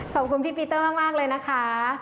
ขอบคุณพี่ปีเตอร์มากเลยนะคะ